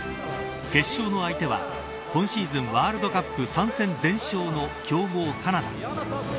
決勝の相手は今シーズンワールドカップ３戦全勝の強豪カナダ。